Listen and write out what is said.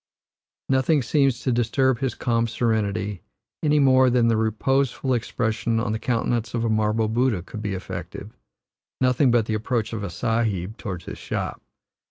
Nothing seems to disturb his calm serenity, any more than the reposeful expression on the countenance of a marble Buddha could be affected nothing but the approach of a Sahib toward his shop.